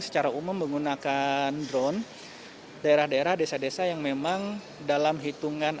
secara umum menggunakan drone daerah daerah desa desa yang memang dalam hitungan